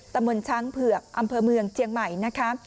ตะเมินช้างเผือกอำเภอเมืองเจียงใหม่นะครับ